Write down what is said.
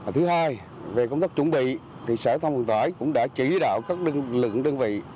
thứ hai về công tác chuẩn bị sở thông vận tải cũng đã chỉ đạo các lượng đơn vị